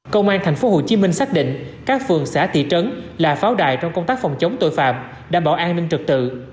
công an tp hcm xác định các phường xã tỷ trấn là pháo đài trong công tác phòng chống tội phạm đảm bảo an ninh trực tự